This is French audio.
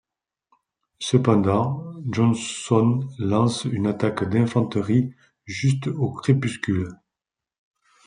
Cependant, Johnson lance une attaque d'infanterie juste au crépuscule.